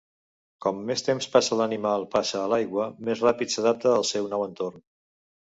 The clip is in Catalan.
Com més temps passa l'animal passa a l'aigua, més ràpid s'adapta al seu nou entorn.